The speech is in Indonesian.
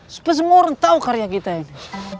supaya semua orang tahu karya kita ini